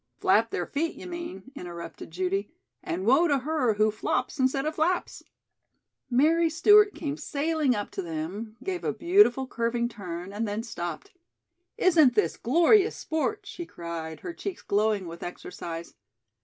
"Flap their feet, you mean," interrupted Judy, "and woe to her who flops instead of flaps." Mary Stewart came sailing up to them, gave a beautiful curving turn and then stopped. "Isn't this glorious sport?" she cried, her cheeks glowing with exercise.